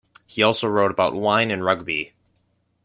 He also wrote about wine and rugby.